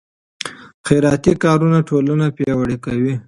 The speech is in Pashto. خیراتي کارونه ټولنه پیاوړې کوي.